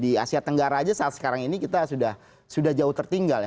di asia tenggara saja saat sekarang ini kita sudah jauh tertinggal ya